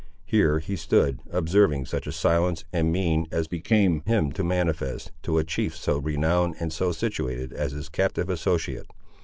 Here he stood, observing such a silence and mien as became him to manifest, to a chief so renowned and so situated as his captive associate.